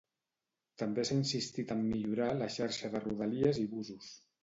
També s'ha insistit en millorar la xarxa de Rodalies i busos.